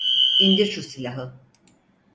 İndir şu silahı.